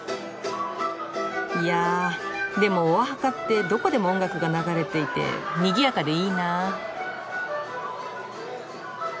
いやでもオアハカってどこでも音楽が流れていてにぎやかでいいなぁ。